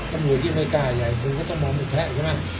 ตำรวจยิ่งไม่กล้าใหญ่คุณก็ต้องมองไม่แพ้ใช่ไหม